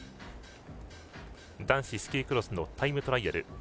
男子スキークロスのタイムトライアル。